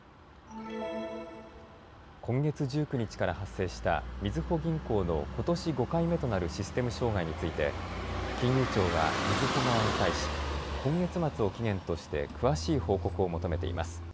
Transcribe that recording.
今月１９日から発生したみずほ銀行のことし５回目となるシステム障害について金融庁は、みずほ側に対し今月末を期限として詳しい報告を求めています。